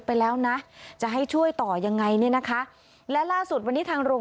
พาพนักงานสอบสวนสนราชบุรณะพาพนักงานสอบสวนสนราชบุรณะ